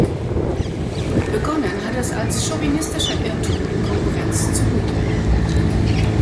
Begonnen hat es als chauvinistischer Irrtum in Konkurrenz zu Google.